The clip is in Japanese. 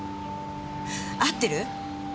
会ってる？